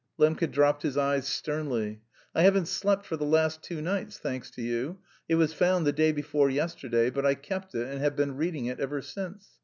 Lembke dropped his eyes sternly. "I haven't slept for the last two nights, thanks to you. It was found the day before yesterday, but I kept it, and have been reading it ever since.